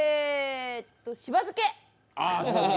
しば漬け！